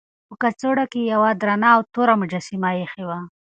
په کڅوړه کې یې یوه درنه او توره مجسمه ایښې وه.